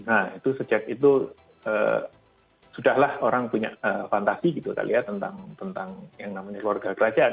nah itu sejak itu sudahlah orang punya fantasi gitu kali ya tentang yang namanya keluarga kerajaan